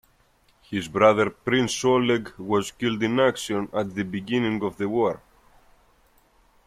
His brother Prince Oleg was killed in action at the beginning of the war.